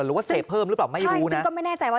หรือว่าเสพเพิ่มหรือเปล่าไม่รู้นะซึ่งก็ไม่แน่ใจว่า